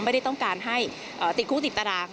ไม่ได้ต้องการให้ติดคุกติดตาราง